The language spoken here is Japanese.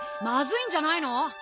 まずいんじゃないの！？